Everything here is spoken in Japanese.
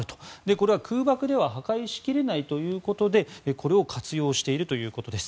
これは空爆では破壊しきれないということでこれを活用しているということです。